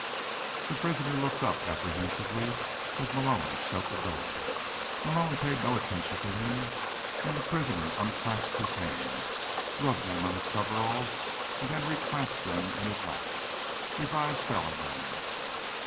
The prisoner looked up apprehensively as Malone shut the door. Malone paid no attention to him, and the prisoner unclasped his hands, rubbed them on his coveralls and then reclasped them in his lap. His eyes fell again.